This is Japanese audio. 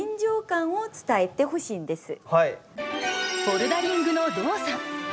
ボルダリングの動作。